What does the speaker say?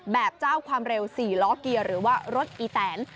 เจ้าความเร็ว๔ล้อเกียร์หรือว่ารถอีแตน